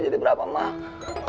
jadi berapa emang